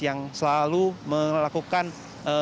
yang selalu melakukan eh